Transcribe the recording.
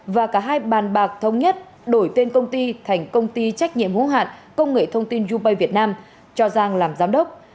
và cả hai bàn bạc thống nhất đổi tên công ty thành công ty trách nhiệm hữu hạn công nghệ thông tin youbay việt nam cho giang làm giám đốc